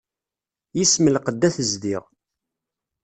Yis-m lqedd ad t-zdiɣ.